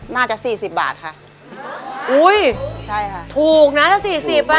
น่าจะสี่สิบบาทค่ะอุ้ยใช่ค่ะถูกนะถ้าสี่สิบอ่ะ